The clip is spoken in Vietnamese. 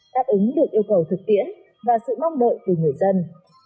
đáp ứng được yêu cầu thực tiễn và sự mong đợi của người dân